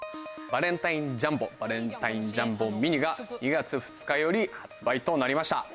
バレンタインジャンボ、バレンタインジャンボミニが２月２日より発売となりました。